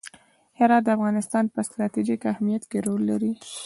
هرات د افغانستان په ستراتیژیک اهمیت کې رول لري.